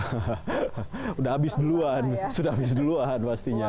sudah habis duluan sudah habis duluan pastinya